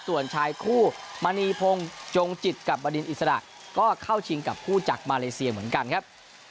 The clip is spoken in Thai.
ส่วนชายคู่มณีพงศ์จงจิตกับบดินอิสระก็เข้าชิงกับคู่จากมาเลเซียเหมือนกันครับ